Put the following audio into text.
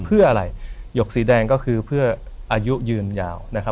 เพื่ออะไรหยกสีแดงก็คือเพื่ออายุยืนยาวนะครับ